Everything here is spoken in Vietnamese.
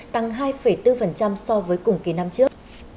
tăng hai bốn so với cùng kỳ năm trước